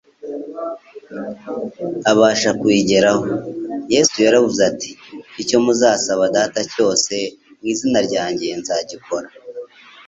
abasha kuyigeraho. Yesu yaravuze ati: «Icyo muzasaba Data cyose mu izina ryanjye nzagikora,